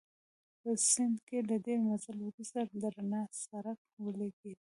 په سیند کې له ډېر مزل وروسته د رڼا څرک ولګېد.